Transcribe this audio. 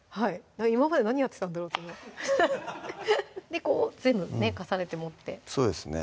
今まで何やってたんだろうと思うでこう全部重ねて持ってそうですね